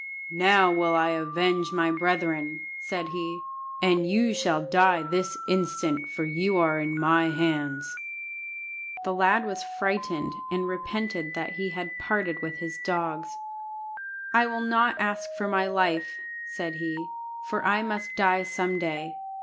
"Now will I avenge my brethren," said he, "and you shall die this instant, for you are in my hands." The lad was frightened, and repented that he had parted with his dogs. "I will not ask my life," said he, "for I must die some day.